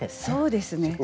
そうですね。